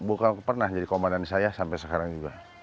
bukan pernah jadi komandan saya sampai sekarang juga